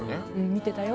「見てたよ」